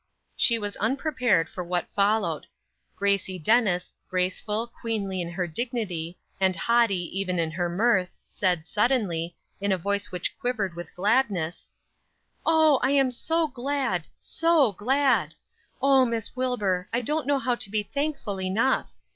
She was unprepared for what followed. Gracie Dennis, graceful, queenly in her dignity, and haughty, even in her mirth, said, suddenly, in a voice which quivered with gladness: "Oh, I am so glad; so glad! Oh, Miss Wilbur, I don't know how to be thankful enough!"